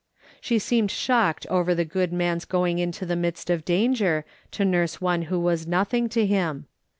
She seemed shocked over the good man's going into the midst of danger, to nurse one who was nothing to him.